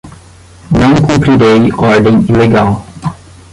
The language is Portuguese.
Não cumprirei ordem ilegal